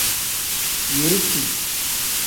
Yiriti.